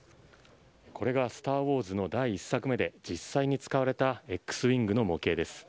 これが「スター・ウォーズ」の第１作目で実際に使われたＸウィングの模型です。